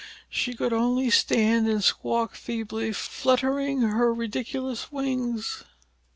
She could only stand and squawk feebly, fluttering her ridiculous wings.